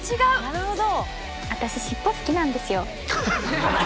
なるほど！